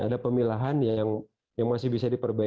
ada pemilahan yang masih bisa diperbaiki